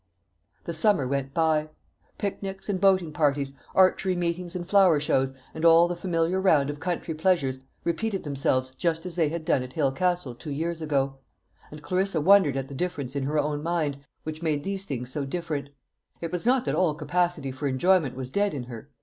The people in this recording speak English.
The summer went by. Picnics and boating parties, archery meetings and flower shows, and all the familiar round of country pleasures repeated themselves just as they had done at Hale Castle two years ago; and Clarissa wondered at the difference in her own mind which made these things so different. It was not that all capacity for enjoyment was dead in her.